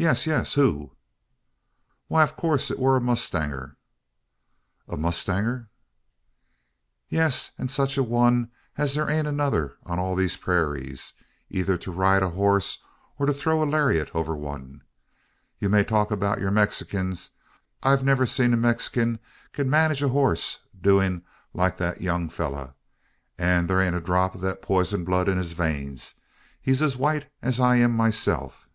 "Yes yes who?" "Why, in coorse it wur a mowstanger." "A mustanger?" "Ye es an such a one as thur ain't another on all these purayras eyther to ride a hoss, or throw a laryitt over one. Yo may talk about yur Mexikins! I never seed neery Mexikin ked manage hoss doin's like that young fellur; an thur ain't a drop o' thur pisen blood in his veins. He ur es white es I am myself."